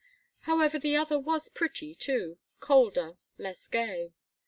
However, the other was pretty, too, colder, less gay.